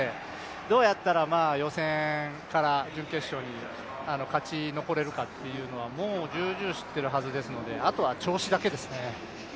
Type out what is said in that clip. どうやったら予選から準決勝に勝ち残れるかというのはもうじゅうじゅう知っているはずなので、もう、あとは調子だけですね。